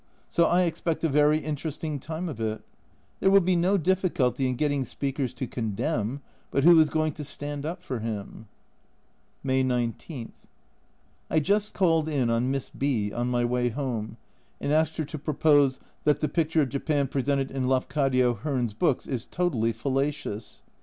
So I expect a very interesting time of it ; there will be no difficulty in getting speakers to condemn, but who is going to stand up for him ! May 19. I just called in on Miss B on my way home, and asked her to propose " That the picture of Japan presented in Lafcadio Hearn's books is totally fallacious."